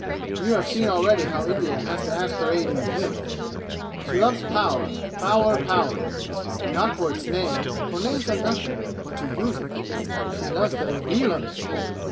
You have seen already how India has to ask her aid in the 'Hills'! She loves power, power, power not for its name, for names are nothing, but to use it. She loves the feel of it!